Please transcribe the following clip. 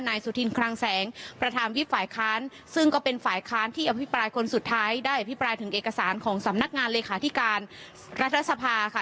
สุธินคลังแสงประธานวิบฝ่ายค้านซึ่งก็เป็นฝ่ายค้านที่อภิปรายคนสุดท้ายได้อภิปรายถึงเอกสารของสำนักงานเลขาธิการรัฐสภาค่ะ